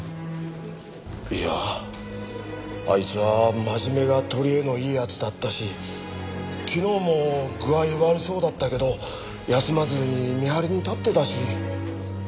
いやあいつは真面目が取りえのいい奴だったし昨日も具合悪そうだったけど休まずに見張りに立ってたし。